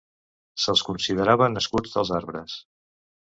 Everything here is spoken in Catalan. Se'ls considerava nascuts dels arbres.